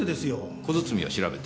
小包を調べた。